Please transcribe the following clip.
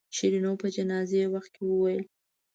شیرینو په جنازې وخت کې وویل.